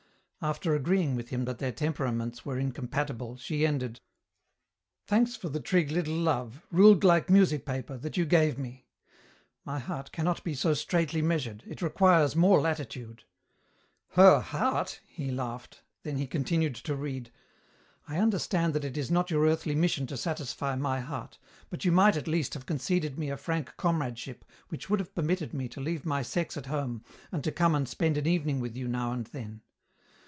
After agreeing with him that their temperaments were incompatible, she ended: "Thanks for the trig little love, ruled like music paper, that you gave me. My heart cannot be so straitly measured, it requires more latitude " "Her heart!" he laughed, then he continued to read: "I understand that it is not your earthly mission to satisfy my heart but you might at least have conceded me a frank comradeship which would have permitted me to leave my sex at home and to come and spend an evening with you now and then.